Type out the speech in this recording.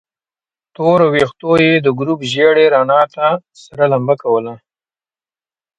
تورو ويښتو يې د ګروپ ژېړې رڼا ته سره لمبه کوله.